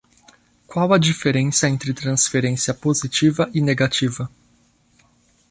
Qual é a diferença entre transferência positiva e negativa?